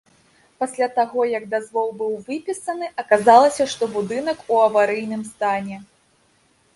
Пасля таго, як дазвол быў выпісаны, аказалася, што будынак ў аварыйным стане.